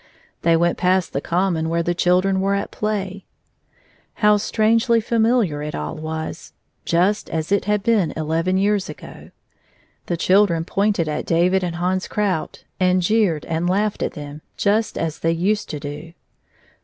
They went past the common, where the children were at play. How strangely familiar it all was — ^just as it had been eleven years ago. The children pointed at David and Hans Krout, and jeered and laughed at them just as they used to do.